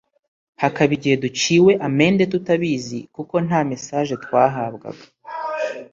hakaba igihe duciwe amende tutabizi kuko nta mesaje twahabwaga